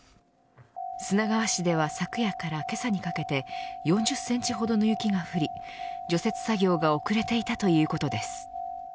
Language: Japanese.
砂川市では昨夜からけさにかけて４０センチほどの雪が降り除雪作業が遅れていたということです。